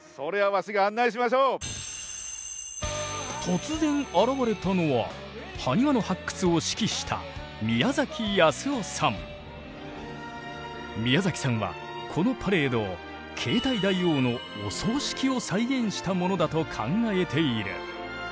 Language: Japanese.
突然現れたのはハニワの発掘を指揮した宮崎さんはこのパレードを継体大王のお葬式を再現したものだと考えている。